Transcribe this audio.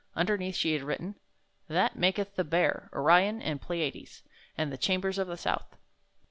Un derneath she had written : That maketh the Bear, Orion, and Pleiades, And the chambers of the south.